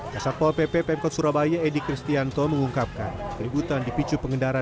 jasapol pp pemkot surabaya edi kristianto mengungkapkan keributan dipicu pengendara